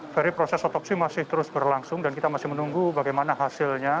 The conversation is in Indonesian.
ferry proses otopsi masih terus berlangsung dan kita masih menunggu bagaimana hasilnya